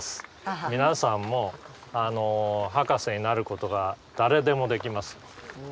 皆さんもハカセになることが誰でもできます。